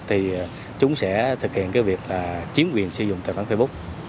thì chúng sẽ thực hiện việc chiếm quyền sử dụng tài khoản facebook